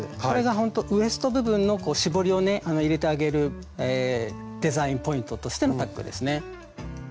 これがほんとウエスト部分の絞りをね入れてあげるデザインポイントとしてのタックですね。